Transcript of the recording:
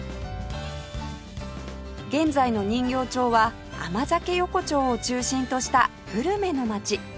現在の人形町は甘酒横丁を中心としたグルメの街